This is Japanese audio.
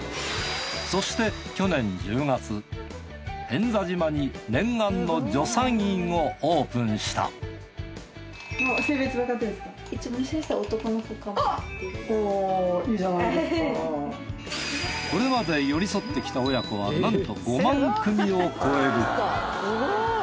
そして去年１０月平安座島に念願の助産院をオープンしたこれまで寄り添ってきた親子はなんと５万組を超える。